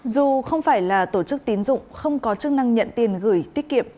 dù không phải là tổ chức tín dụng không có chức năng nhận tiền gửi tiết kiệm